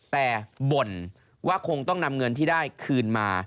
แต่บ่นว่าคงต้องนำเงินที่ได้คืนมา